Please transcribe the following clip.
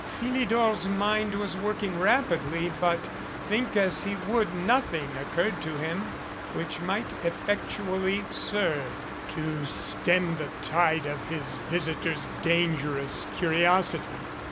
Philidor's mind was working rap idly, but, think as he would, nothing occurred to him which might effectually serve to stem the tide of his visi tor's dangerous curiosity.